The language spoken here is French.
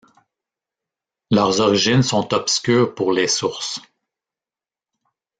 Leurs origines sont obscures pour les sources.